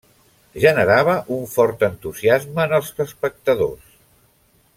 Generava un fort entusiasme en els espectadors.